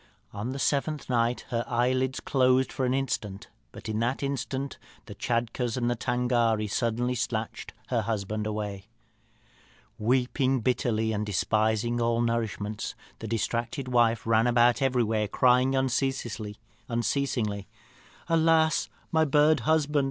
On the seventh night her eyelids closed for an instant, but in that instant the Tschadkurrs and Tângâri suddenly snatched her husband away. "Weeping bitterly, and despising all nourishment, the distracted wife ran about everywhere, crying unceasingly, 'Alas, my bird husband!